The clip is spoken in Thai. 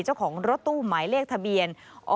เจ้าของรถตู้หมายเลขทะเบียน